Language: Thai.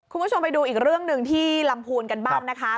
คุณผู้ชมไปดูอีกเรื่องหนึ่งที่ลำพูนกันบ้างนะคะ